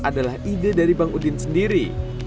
adalah ide dari bang udin sendiri